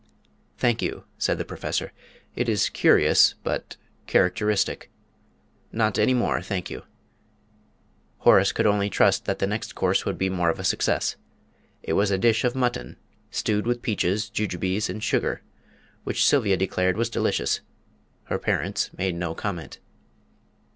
"Thank you," said the Professor, "it is curious but characteristic. Not any more, thank you." Horace could only trust that the next course would be more of a success. It was a dish of mutton, stewed with peaches, jujubes and sugar, which Sylvia declared was delicious. Her parents made no comment.